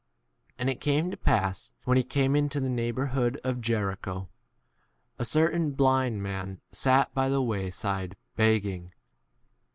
33 And it came to pass, when he came into the neighbourhood of Jericho, a certain blind man sat 36 by the way side beg'ging.